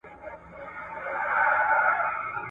کلتوري بنسټونه هم د لوی سياست برخه دي.